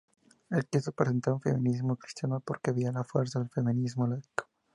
El quiso presentar un feminismo cristiano, porque veía la fuerza del feminismo laico.